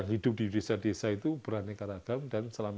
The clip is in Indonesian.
film itu bagi saya apa ya ah